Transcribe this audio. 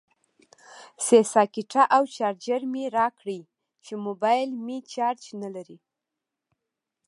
سه ساکټه او چارجر مې راکړئ چې موبایل مې چارج نلري